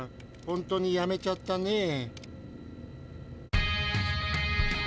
ほんとにやめちゃったねえ。